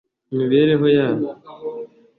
imibereho yabo